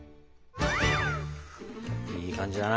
いい感じだな。